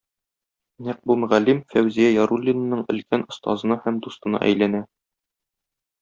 Нәкъ бу мөгаллим Фәүзия Яруллинаның өлкән остазына һәм дустына әйләнә.